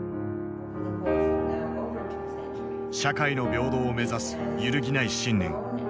社会の平等を目指す揺るぎない信念。